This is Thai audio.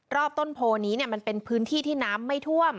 ต้นโพนี้มันเป็นพื้นที่ที่น้ำไม่ท่วม